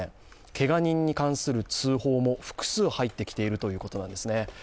けが人に関する通報も複数入ってきているということなんですね。